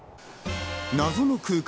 謎の空間。